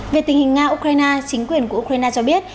về tình hình nga ukraine chính quyền của ukraine cho biết